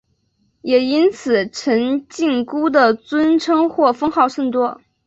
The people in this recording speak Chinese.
也因此陈靖姑的尊称或封号甚多。